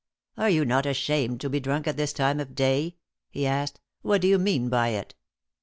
"Are you not ashamed to be drunk at this time of day?" he asked. "What do you mean by it?"